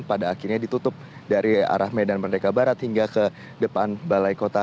pada akhirnya ditutup dari arah medan merdeka barat hingga ke depan balai kota